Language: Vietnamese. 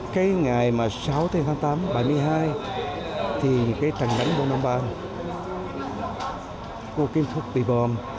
cái ngày sáu tháng tám một nghìn chín trăm bảy mươi hai thì cái trần đánh của nam ban cô kim phúc bị bom